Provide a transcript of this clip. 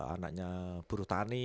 anaknya buruh tani